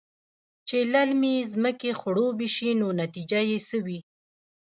چې للمې زمکې خړوبې شي نو نتيجه يې څۀ وي؟